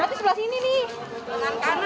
berarti di sebelah sini nih